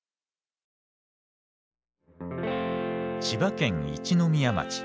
千葉県一宮町。